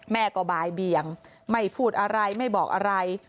แม่ก็บ่ายเบียงไม่พูดอะไรไม่บอกอะไร